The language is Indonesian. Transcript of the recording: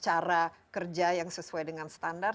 cara kerja yang sesuai dengan standar